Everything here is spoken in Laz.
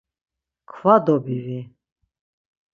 Kva dobivi.